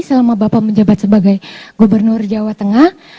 selama bapak menjabat sebagai gubernur jawa tengah